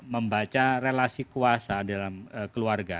membaca relasi kuasa dalam keluarga